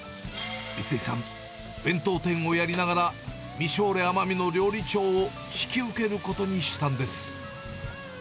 三井さん、弁当店をやりながら、みしょーれ奄美の料理長を引き受けることにしたんです。